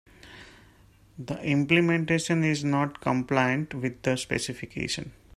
The implementation is not compliant with the specification.